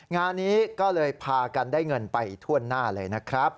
งานนี้ก็เลยพากันได้เงินไปทั่วหน้าเลยนะครับ